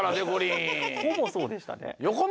ほぼそうでしたね。よ